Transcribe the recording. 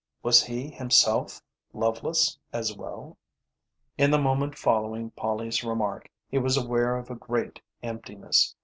Was he himself loveless as well? In the moment following Polly's remark, he was aware of a great emptiness.